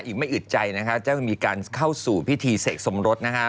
อีกไม่อึดใจนะคะจะมีการเข้าสู่พิธีเสกสมรสนะฮะ